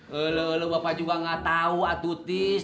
lho lho lho bapak juga gak tau atutis